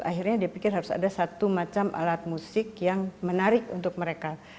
akhirnya dia pikir harus ada satu macam alat musik yang menarik untuk mereka